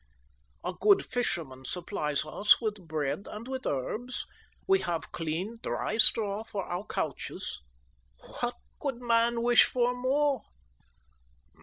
A good fisherman supplies us with bread and with herbs, we have clean, dry straw for our couches; what could man wish for more?"